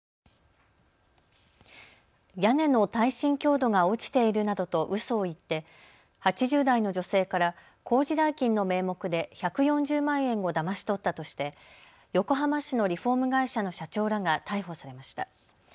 屋根の耐震強度が落ちているなどとうそを言って８０代の女性から工事代金の名目で１４０万円をだまし取ったとして横浜市のリフォーム会社の社長らが逮捕されました。